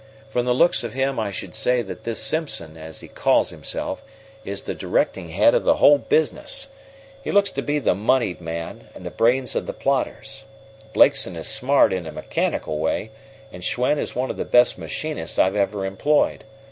From the looks of him I should say that this Simpson, as he calls himself, is the directing head of the whole business. He looks to be the moneyed man, and the brains of the plotters. Blakeson is smart, in a mechanical way, and Schwen is one of the best machinists I've ever employed.